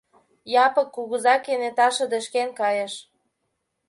Япык кугыза кенета шыдешкен кайыш.